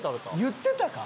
言ってたか？